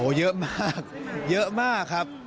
เยอะมากเยอะมากครับ